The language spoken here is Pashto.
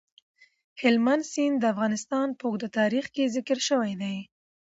هلمند سیند د افغانستان په اوږده تاریخ کې ذکر شوی دی.